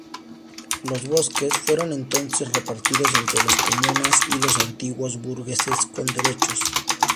Los bosques fueron entonces repartidos entre las comunas y los antiguos burgueses con derechos.